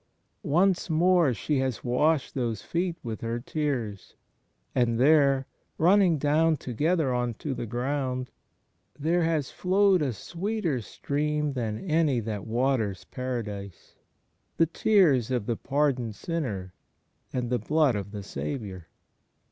. Once more she has washed those feet with her tears; and there, running down together on to the ground, there has flowed a sweeter stream than any that waters Paradise — the tears of the par doned sinner and the Blood of the Saviour.